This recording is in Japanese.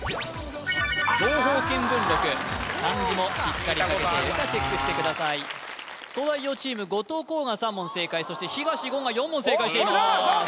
東方見聞録漢字もしっかり書けているかチェックしてください東大王チーム後藤弘が３問正解そして東言が４問正解しています